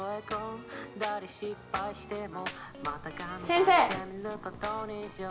先生！